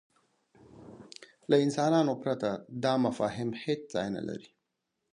له انسانانو پرته دا مفاهیم هېڅ ځای نهلري.